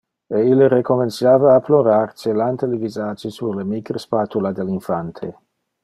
E ille recomenciava a plorar, celante le visage sur le micre spatula del infante.